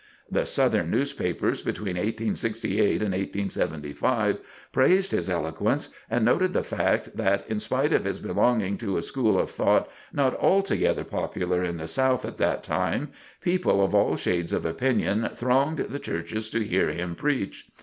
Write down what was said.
The Southern newspapers between 1868 and 1875 praised his eloquence and noted the fact that, in spite of his belonging to a school of thought not altogether popular in the South at that time, people of all shades of opinion thronged the churches to hear him preach.